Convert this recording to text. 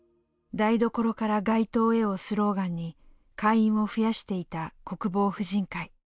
「台所から街頭へ」をスローガンに会員を増やしていた国防婦人会。